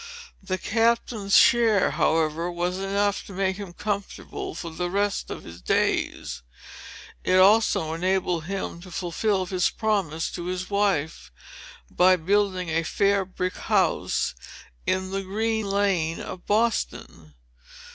The Captain's share, however, was enough to make him comfortable for the rest of his days. It also enabled him to fulfil his promise to his wife, by building a "fair brick house," in the Green Lane of Boston.